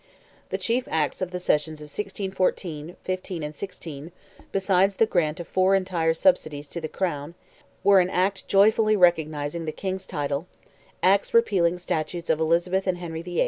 The chief acts of the sessions of 1614, '15, and '16, beside the grant of four entire subsidies to the Crown, were an act joyfully recognizing the King's title; acts repealing statutes of Elizabeth and Henry VIII.